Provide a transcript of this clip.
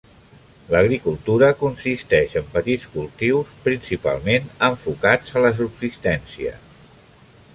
L'agricultura consisteix en petits cultius, principalment enfocats a la subsistència.